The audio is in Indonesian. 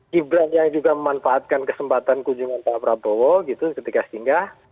gibran yang juga memanfaatkan kesempatan kunjungan pak prabowo gitu ketika singgah